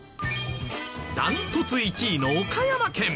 断トツ１位の岡山県。